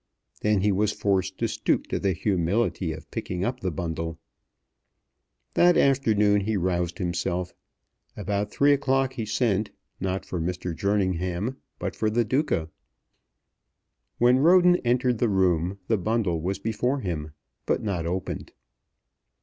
Then he was forced to stoop to the humility of picking up the bundle. That afternoon he roused himself. About three o'clock he sent, not for Mr. Jerningham, but for the Duca. When Roden entered the room the bundle was before him, but not opened.